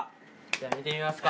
じゃあ見てみますか。